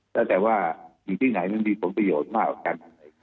แล้วแต่ว่าอยู่ที่ไหนมันมีผลประโยชน์มากกว่ากัน